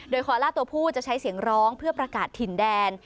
โดยคอล่าตัวผู้จะใช้เสียงร้องเพื่อประกาศถิ่นแดน